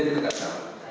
kan kita juga tahu